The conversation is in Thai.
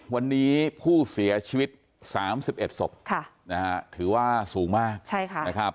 วันนี้ผู้เสียชีวิต๓๑ศพถือว่าสูงมาก